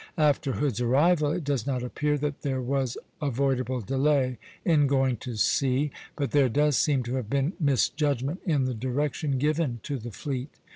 After Hood's arrival, it does not appear that there was avoidable delay in going to sea; but there does seem to have been misjudgment in the direction given to the fleet.